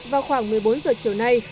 vào khoảng một mươi bốn giờ chiều nay